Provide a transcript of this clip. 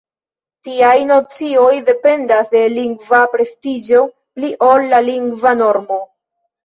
Tiaj nocioj dependas de lingva prestiĝo pli ol de lingva normo.